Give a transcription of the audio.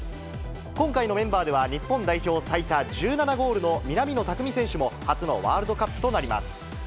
今回のメンバーでは、日本代表最多１７ゴールの南野拓実選手も初のワールドカップとなります。